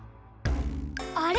あれ？